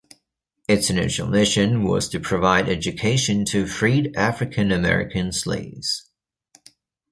Its initial mission was to provide education to freed African American slaves.